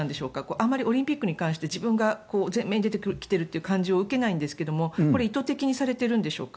あまりオリンピックに関して自分が前面に出てきているという感じを受けないんですけどこれは意図的にされているんでしょうか？